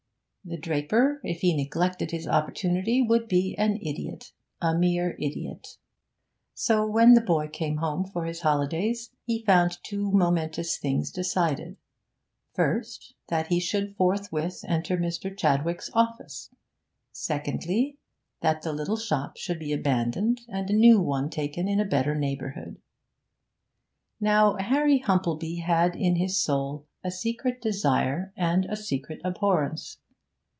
The draper, if he neglected his opportunity, would be an idiot a mere idiot. So, when the boy came home for his holidays he found two momentous things decided; first, that he should forthwith enter Mr. Chadwick's office; secondly, that the little shop should be abandoned and a new one taken in a better neighbourhood. Now Harry Humplebee had in his soul a secret desire and a secret abhorrence.